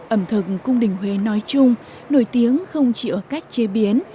ẩm thực cung đình huế nói chung nổi tiếng không chỉ ở cách chế biến